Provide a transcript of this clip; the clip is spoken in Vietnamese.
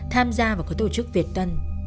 tham gia vào các tổ chức việt tân